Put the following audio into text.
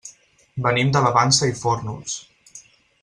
Venim de la Vansa i Fórnols.